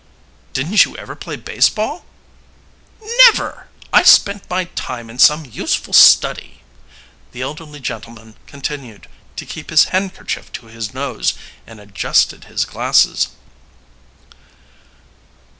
"Didn't you ever play baseball?" "Never. I spent my time in some useful study." The elderly gentleman continued to keep his handkerchief to his nose, and adjusted his glasses.